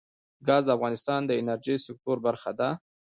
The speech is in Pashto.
ګاز د افغانستان د انرژۍ سکتور برخه ده.